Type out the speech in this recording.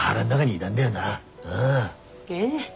ええ。